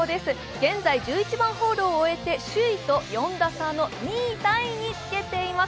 現在１１番ホールを終えて首位と４打差の２位タイにつけています。